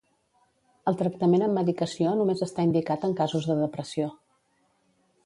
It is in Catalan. El tractament amb medicació només està indicat en casos de depressió.